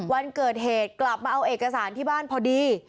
วันเกิดเหตุกลับมาเอาเอกสารที่บ้านพอดี